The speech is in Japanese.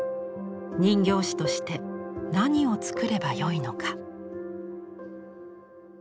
人形師として何を作ればよいのか？